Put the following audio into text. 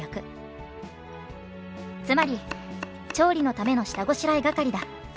つまり調理のための下ごしらえ係だ」。